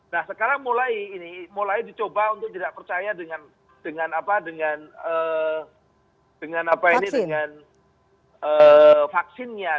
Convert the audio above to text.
nah sekarang mulai dicoba untuk tidak percaya dengan vaksinnya